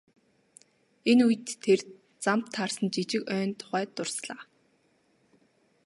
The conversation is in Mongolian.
Энэ үед тэр замд таарсан жижиг ойн тухай дурслаа.